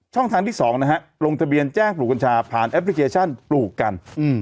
ทางที่๒นะฮะลงทะเบียนแจ้งปลูกกัญชาผ่านแอปพลิเคชันปลูกกัน